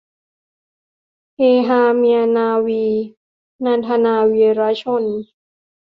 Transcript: เฮฮาเมียนาวี - นันทนา วีระชน